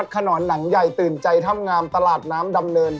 มังกรวัดขนอนหนังใหญ่ตื่นใจท่ำงามตลาดน้ำดำเนิน